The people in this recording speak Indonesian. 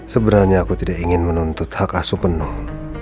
sebenarnya aku tidak ingin menuntut hak asu penuh